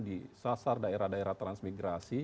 disasar daerah daerah transmigrasi